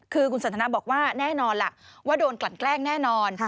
คือคุณสันทนาบอกว่าแน่นอนล่ะว่าโดนกลั่นแกล้งแน่นอน